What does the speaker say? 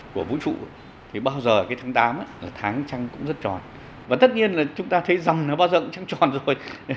chúng ta thấy rằm nó bao giờ cũng trăng tròn rồi